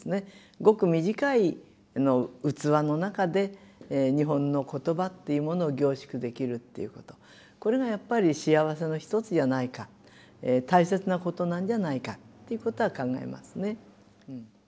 ごく短い器の中で日本の言葉っていうものを凝縮できるっていうことこれがやっぱり幸せの一つじゃないか大切なことなんじゃないかっていうことは考えますね。